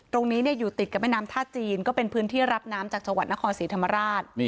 ตรงนี้อยู่ติดกับแม่น้ำท่าจีนก็เป็นพื้นที่รับน้ำจากจังหวัดนครศรีธรรมราช